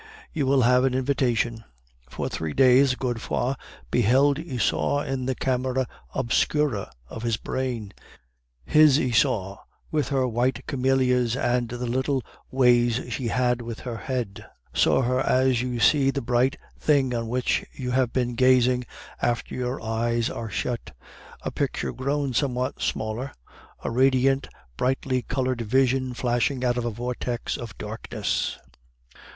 You will have an invitation.' "For three days Godefroid beheld Isaure in the camera obscura of his brain his Isaure with her white camellias and the little ways she had with her head saw her as you see the bright thing on which you have been gazing after your eyes are shut, a picture grown somewhat smaller; a radiant, brightly colored vision flashing out of a vortex of darkness."